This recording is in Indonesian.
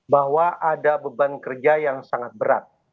bahwa ada beban kerja yang sangat berat